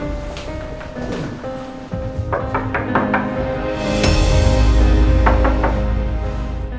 tuh gakut tuh cewek